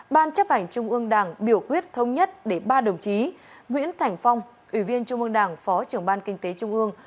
ban chấp hành trung ương đảng biểu quyết thông nhất để ba đồng chí nguyễn thành phong ủy viên trung ương đảng phó trưởng ban kinh tế trung ương